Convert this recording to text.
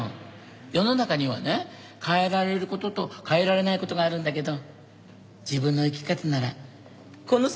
世の中にはね変えられる事と変えられない事があるんだけど自分の生き方ならこの先